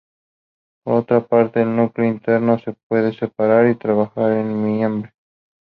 Por otra parte, el núcleo interno se puede separar y trabajar en mimbre.